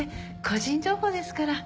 個人情報ですから。